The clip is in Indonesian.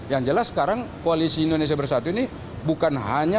yang jelas sekarang koalisi indonesia bersatu ini bukan hanya